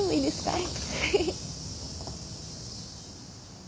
はい。